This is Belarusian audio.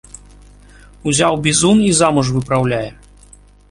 Узяў бізун і замуж выпраўляе.